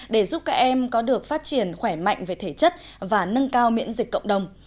để giúp các em có được phát triển khỏe mạnh về thể chất và nâng cao miễn dịch cộng đồng